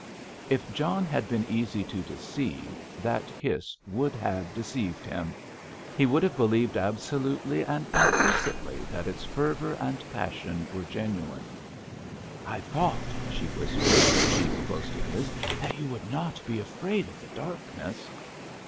If John had been easy to deceive, that kiss would have deceived him. He would have believed absolutely and implicitly that its fervour and passion were genuine. "I thought," she whispered, her cheek close to his, "that you would not be afraid of the darkness."